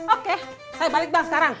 oke saya balik bang sekarang